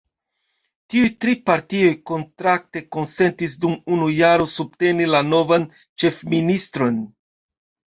Tiuj tri partioj kontrakte konsentis dum unu jaro subteni la novan ĉefministron.